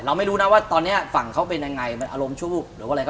เราไม่รู้นะว่าตอนนี้ฝั่งเขาเป็นยังไง